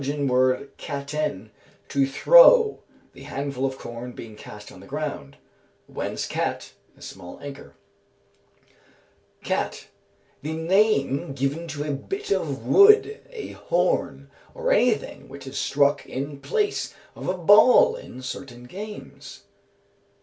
word katt en, to throw, the handful of corn being cast on the ground; whence kat, a small anchor. Cat. The name given to a bit of wood, a horn, or anything which is struck in place of a ball in certain games.